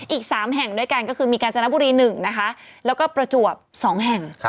อีก๓แห่งด้วยกันก็คือมีกาญจนบุรี๑นะคะแล้วก็ประจวบ๒แห่ง